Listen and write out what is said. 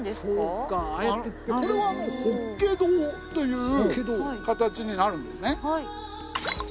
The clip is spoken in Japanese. これはもう法華堂という形になるんですね。